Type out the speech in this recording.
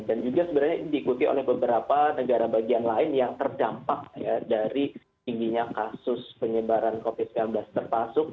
dan juga sebenarnya diikuti oleh beberapa negara bagian lain yang terdampak dari tingginya kasus penyebaran covid sembilan belas terpasuk